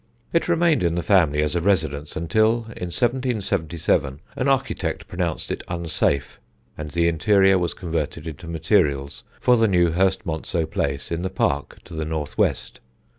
It remained in the family as a residence until, in 1777, an architect pronounced it unsafe, and the interior was converted into materials for the new Hurstmonceux Place in the park to the north west.